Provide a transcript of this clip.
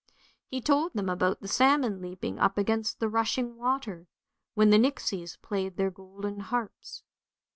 He told them about the salmon leaping up against the rushing water, when the nixies played their golden harps.